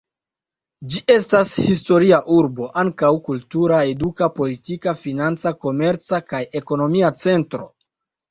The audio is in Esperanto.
Ĝi estas historia urbo, ankaŭ kultura, eduka, politika, financa, komerca kaj ekonomia centro.